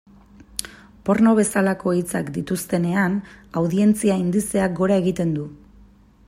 Porno bezalako hitzak dituztenean, audientzia indizeak gora egiten du.